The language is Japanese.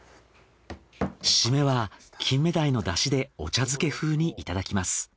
締めはキンメダイの出汁でお茶漬け風にいただきます。